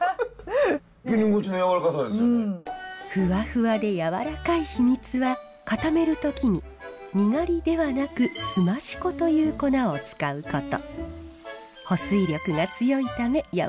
ふわふわでやわらかい秘密は固める時ににがりではなくすまし粉という粉を使うこと。